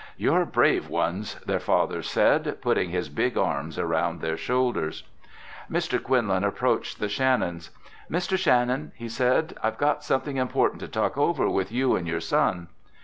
"You're brave ones," their father said, putting his big arms around their shoulders. Mr. Quinlan approached the Shannons. "Mr. Shannon," he said, "I've got something important to talk over with you and your son."